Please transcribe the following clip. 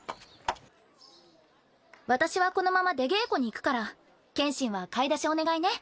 私はこのまま出稽古に行くから剣心は買い出しお願いね。